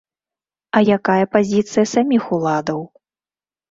А якая пазіцыя саміх уладаў?